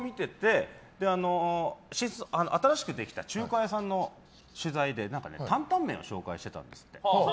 新しくできた中華屋さんの取材で担々麺を紹介してたんですって。